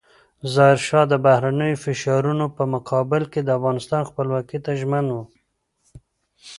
ظاهرشاه د بهرنیو فشارونو په مقابل کې د افغانستان خپلواکۍ ته ژمن و.